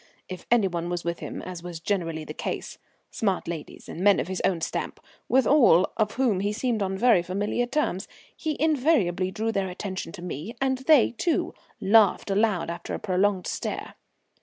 If any one was with him, as was generally the case smart ladies and men of his own stamp, with all of whom he seemed on very familiar terms he invariably drew their attention to me, and they, too, laughed aloud after a prolonged stare.